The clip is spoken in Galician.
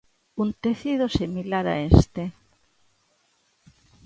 Un tecido similar a este.